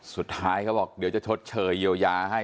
สุดท้ายเขาบอกเดี๋ยวจะชดเฉยเยียวยาให้